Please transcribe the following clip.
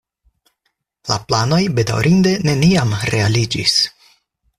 La planoj bedaŭrinde neniam realiĝis.